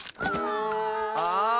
ああ。